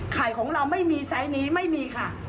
ไข่ของเราไม่มีไซส์นี้ไม่มีค่ะ